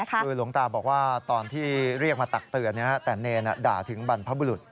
คือหลวงตาบอกว่าตอนที่เรียกมาตักเตือนแต่เนรด่าถึงบรรพบุรุษ